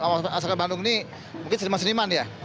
mungkin asal bandung ini mungkin seniman seniman ya